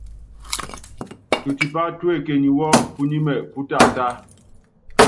Tutipá tuekenyi wu punímɛ pú taatá.